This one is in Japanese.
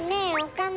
岡村。